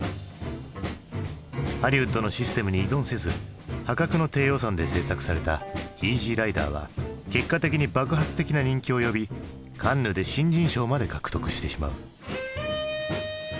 ハリウッドのシステムに依存せず破格の低予算で製作された「イージー★ライダー」は結果的に爆発的な人気を呼びカンヌで新人賞まで獲得してしまう。